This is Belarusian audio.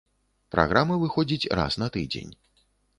Праграма выходзіць раз на тыдзень.